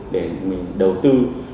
để đầu tư